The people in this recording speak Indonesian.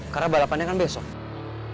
karena balapannya kan besok